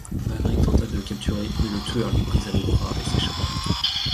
Maverick tenta de le capturer, mais le tueur lui brisa le bras et s'échappa.